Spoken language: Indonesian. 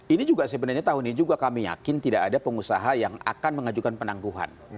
ini juga sebenarnya tahun ini juga kami yakin tidak ada pengusaha yang akan mengajukan penangguhan